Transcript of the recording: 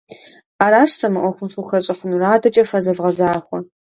Аращ сэ мы ӏуэхум схухэщӏыхьынур, адэкӏэ фэ зэвгъэзахуэ.